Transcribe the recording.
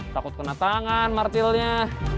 takut kena tangan martilnya